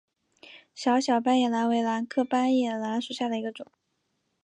小小斑叶兰为兰科斑叶兰属下的一个种。